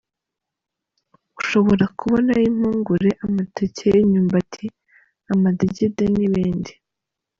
Ushobora kubonayo impungure, amateke, imyumbati amadegede n’ibindi.